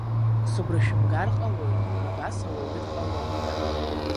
Сыгәра шәымгар ҟалоит, убас ауаҩы дҟалом ҳәа.